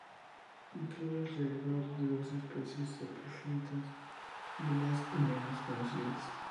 Incluye alrededor de doce especies epifitas más y menos conocidas.